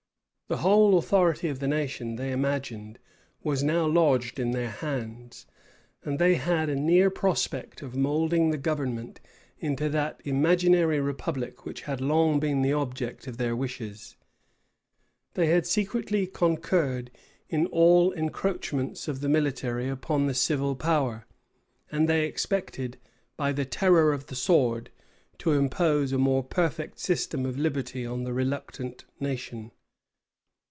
The whole authority of the nation, they imagined, was now lodged in their hands; and they had a near prospect of moulding the government into that imaginary republic which had long been the object of their wishes. They had secretly concurred in all encroachments of the military upon the civil power; and they expected, by the terror of the sword, to impose a more perfect system of liberty on the reluctant nation.